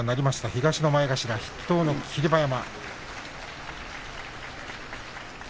東の前頭筆頭の霧馬山です。